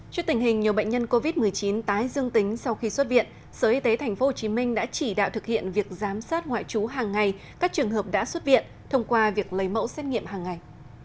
trước tình hình nhiều bệnh nhân covid một mươi chín tái dương tính sau khi xuất viện sở y tế tp hcm đã chỉ đạo thực hiện việc giám sát ngoại trú hàng ngày các trường hợp đã xuất viện thông qua việc lấy mẫu xét nghiệm hàng ngày